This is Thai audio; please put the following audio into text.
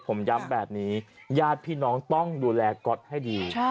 ผมย้ำแบบนี้ญาติพี่น้องต้องดูแลก๊อตให้ดี